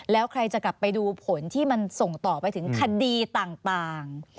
แล้วใครจะกลับไปดูผลที่มันส่งต่อไปถึงคดีต่าง